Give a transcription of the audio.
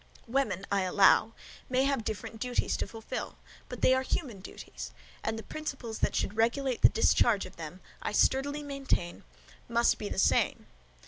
Women, I allow, may have different duties to fulfil; but they are HUMAN duties, and the principles that should regulate the discharge of them, I sturdily maintain, must be the same.